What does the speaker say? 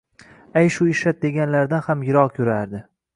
Ayshu-ishrat deganlaridan ham yiroq yurardi